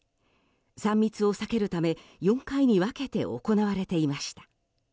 ３密を避けるため、４回に分けて行われていました。